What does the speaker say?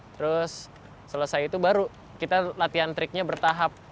terus selesai itu baru kita latihan triknya bertahap